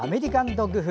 ドッグ風。